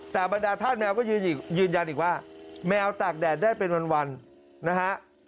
แต่บรรดาธาตุแมวก็ยืนยันอีกว่าแมวตากแดดได้เป็นวันนะฮะ